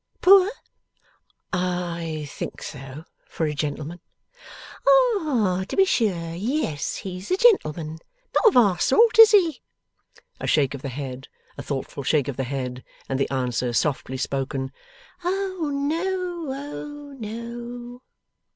'Poor?' 'I think so, for a gentleman.' 'Ah! To be sure! Yes, he's a gentleman. Not of our sort; is he?' A shake of the head, a thoughtful shake of the head, and the answer, softly spoken, 'Oh no, oh no!